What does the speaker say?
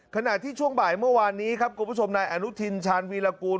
ขณะที่ช่วงบ่ายเมื่อวานนี้ครับคุณผู้ชมนายอนุทินชาญวีรกูล